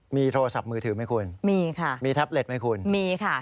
มีโทรศัพท์มือถือไหมคุณมีค่ะมีแท็บเล็ตไหมคุณมีค่ะ